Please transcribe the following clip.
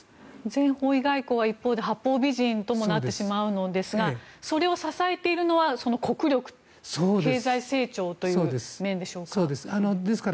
全方位外交は一方で八方美人ともなってしまうのですがそれを支えているのは国力、経済成長という面でしょうか。